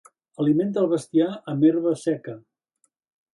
Alimenta el bestiar amb herba seca.